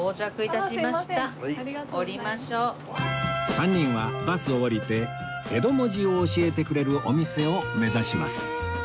３人はバスを降りて江戸文字を教えてくれるお店を目指します